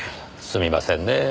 すみませんねえ